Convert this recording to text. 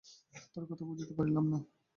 তার কথা বুঝিতে পারিলাম না।